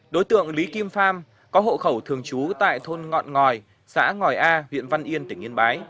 đối tượng lý kim phong có hộ khẩu thường trú tại thôn ngọn ngòi xã ngòi a huyện văn yên tỉnh yên bái